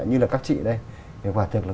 như là các chị đây thì quả thực là